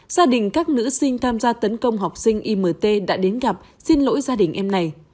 gia đình các nữ sinh tham gia tấn công học sinh imt đã đến gặp xin lỗi gia đình em này